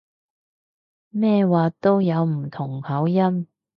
咩話都有唔同口音